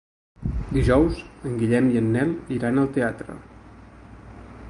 Dijous en Guillem i en Nel iran al teatre.